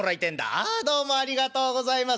「ああどうもありがとうございます。